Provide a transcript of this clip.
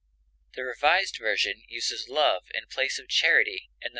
The Revised Version uses love in place of charity in _1 Cor.